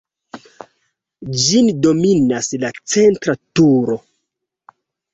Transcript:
Ĝin dominas la centra turo.